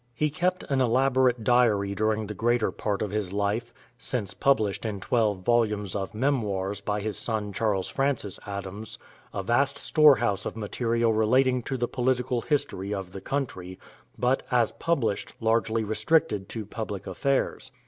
He kept an elaborate diary during the greater part of his life, since published in twelve volumes of "Memoirs" by his son Charles Francis Adams; a vast storehouse of material relating to the political history of the country, but, as published, largely restricted to public affairs.